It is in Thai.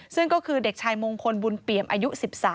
ซึ่งก็คือเด็กชายมงคลบุญเปี่ยมอายุ๑๓